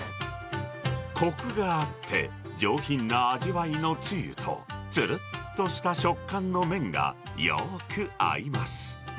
こくがあって上品な味わいのつゆと、つるっとした食感の麺がよく合います。